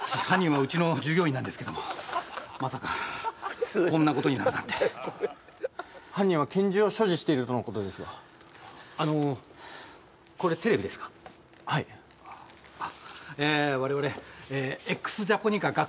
犯人はうちの従業員なんですけどもまさかこんなことになるなんて犯人は拳銃を所持してるとのことですがあのこれテレビですか？